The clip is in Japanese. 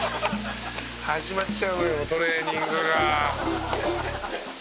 「始まっちゃうのよトレーニングが」